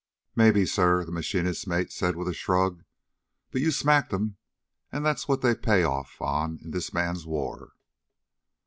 "Maybe, sir," the machinist's mate said with a shrug. "But you smacked 'em, and that's what they pay off on in this man's war."